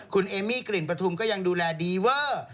คุณเอมี่กลิ่นประทุมก็ยังดูแลดีเวอร์